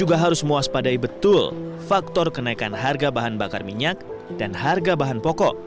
juga harus mewaspadai betul faktor kenaikan harga bahan bakar minyak dan harga bahan pokok